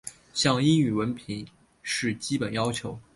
像英语文凭是基本要求。